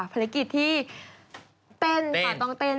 ภารกิจที่เต้นค่ะต้องเต้น